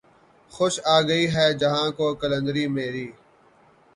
خوش آ گئی ہے جہاں کو قلندری میری